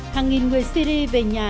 hàng nghìn người syri về nhà